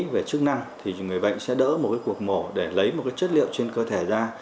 về chức năng thì người bệnh sẽ đỡ một cái cuộc mổ để lấy một cái chất liệu trên cơ thể ra